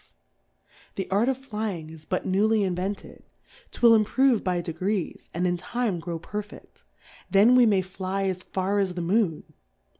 Tlie 66 Difcourfes on the The Art of Flying is but newly invent ed, 'twill improve by degrees, and in time grow perfeQ: ; then we may fly as far as the Moon.